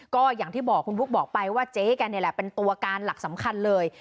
ก็อย่างที่บอกคุณบุ๊คบอกไปว่าเจ๊แกนี่แหละเป็นตัวการหลักสำคัญเลย